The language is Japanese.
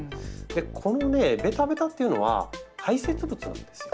このねベタベタというのは排せつ物なんですよ。